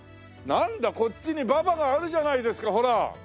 なんだこっちに馬場があるじゃないですかほら！